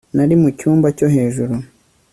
Nari mucyumba cyo hejuru